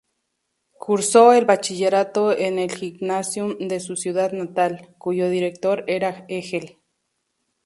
Cursó el bachillerato en el "Gymnasium" de su ciudad natal, cuyo director era Hegel.